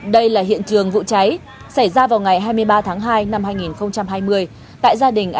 đây là hiện trường vụ cháy xảy ra vào ngày hai mươi ba tháng hai năm hai nghìn hai mươi tại gia đình anh nguyễn văn nhã chú tại ấp ninh thạnh một xã ninh hòa